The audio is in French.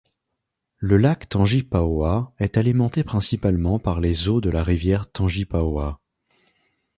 Le lac Tangipahoa est alimenté principalement par les eaux de la Rivière Tangipahoa.